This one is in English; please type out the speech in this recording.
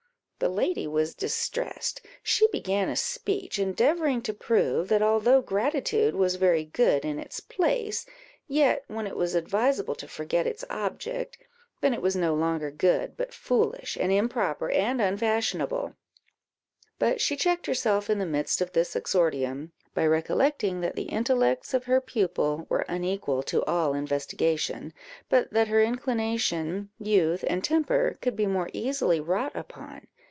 The lady was distressed. She began a speech, endeavouring to prove, that although gratitude was very good in its place, yet, when it was advisable to forget its object, then it was no longer good, but foolish, and improper, and unfashionable; but she checked herself in the midst of this exordium, by recollecting that the intellects of her pupil were unequal to all investigation, but that her inclination, youth, and temper could be more easily wrought upon.